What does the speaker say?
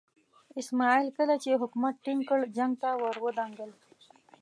اسماعیل کله چې حکومت ټینګ کړ جنګ ته ور ودانګل.